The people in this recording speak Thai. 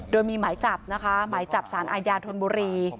โดยมีหมายจับนะคะหมายจับสารอาญาธนบุรี